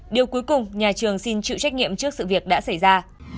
điều cuối cùng nhà trường xin chịu trách nhiệm trước sự việc đã xảy ra